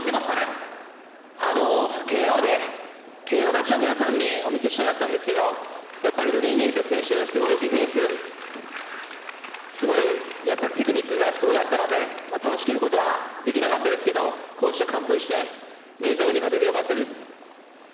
ＫＯ勝ちを皆さんにお見せしたかったんですけど、やっぱりドニー・ニエテス選手、すごいディフェンス、すごいテクニックがあったので倒しきることはできなかったですけどこうして完封して明確に勝ててよかったです。